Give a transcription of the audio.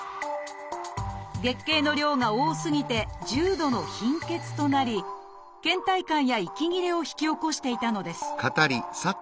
月経の量が多すぎて重度の貧血となりけん怠感や息切れを引き起こしていたのです